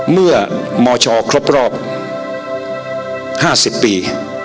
เมื่อมชครบ๕๐ปี